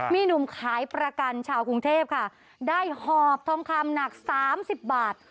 มีหนุ่มขายประกันชาวกรุงเทพค่ะได้หอบทองคำหนัก๓๐บาท